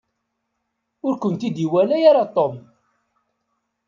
Ur kent-id-iwala ara Tom.